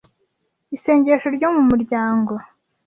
Isengesho ryo mu muryango